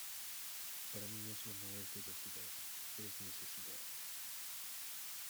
Para mí eso no es diversidad, es necesidad.